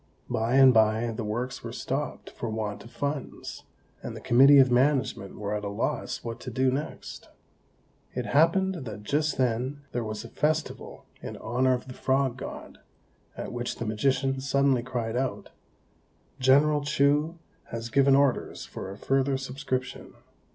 By and by the works were stopped for want of funds, and the committee of management were at a loss what to do next. It happened that just then there was a festival in honour of the Frog God, at which the magician suddenly cried out, "General Chou has given orders for a further subscription.